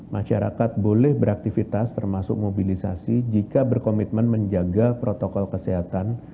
masyarakat boleh beraktivitas termasuk mobilisasi jika berkomitmen menjaga protokol kesehatan